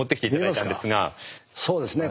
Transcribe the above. そうですね。